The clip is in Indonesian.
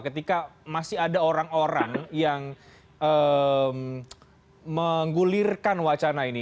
ketika masih ada orang orang yang menggulirkan wacana ini